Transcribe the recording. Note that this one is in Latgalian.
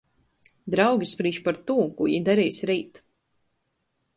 Draugi sprīž par tū, kū jī dareis reit.